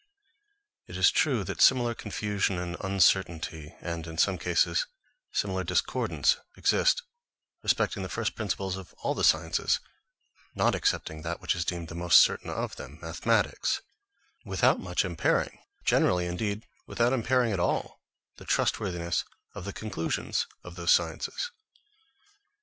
It is true that similar confusion and uncertainty, and in some cases similar discordance, exist respecting the first principles of all the sciences, not excepting that which is deemed the most certain of them, mathematics; without much impairing, generally indeed without impairing at all, the trustworthiness of the conclusions of those sciences.